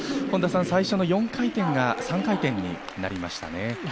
本田さん、最初の４回転が３回転になりましたね。